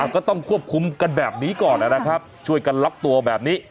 ก็ต้องควบคุมกันแบบนี้ก่อนนะครับช่วยกันล็อกตัวแบบนี้